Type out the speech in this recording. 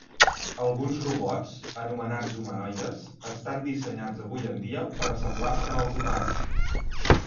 Alguns robots, anomenats humanoides, estan dissenyats avui en dia per assemblar-se als humans.